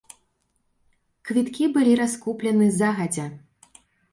Квіткі былі раскуплены загадзя.